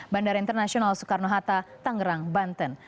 bandara internasional soekarno hatta tangerang banten